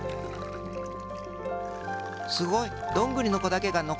すごい！どんぐりのこだけがのこった。